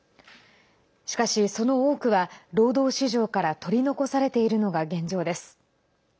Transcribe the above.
しかし、その多くは労働市場から取り残されているのが現状です。